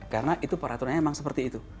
karena itu peraturan memang seperti itu